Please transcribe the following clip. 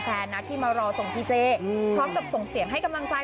แต่ว่าคนที่พาแบบว่าลูกกระดูกอะไรอันเงี้ย